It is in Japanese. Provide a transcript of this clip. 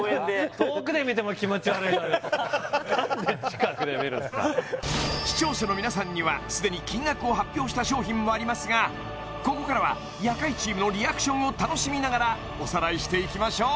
遠くで見ても気持ち悪いのに何で近くで見るんすか視聴者の皆さんにはすでに金額を発表した商品もありますがここからは夜会チームのリアクションを楽しみながらおさらいしていきましょう